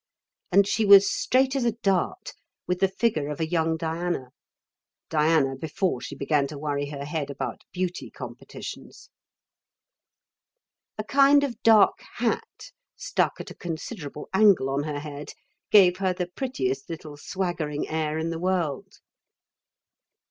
And she was straight as a dart, with the figure of a young Diana Diana before she began to worry her head about beauty competitions. A kind of dark hat stuck at a considerable angle on her head gave her the prettiest little swaggering air in the world....